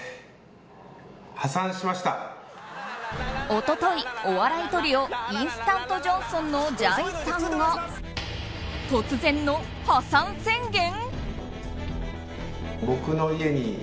一昨日、お笑いトリオインスタントジョンソンのじゃいさんが突然の破産宣言。